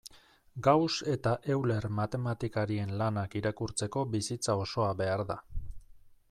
Gauss eta Euler matematikarien lanak irakurtzeko bizitza osoa behar da.